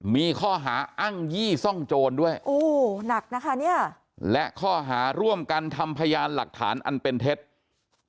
มีข้อหาอั้งยี่ซ่องโจรด้วยและข้อหาร่วมกันทำพยานหลักฐานอันเป็นเท็จ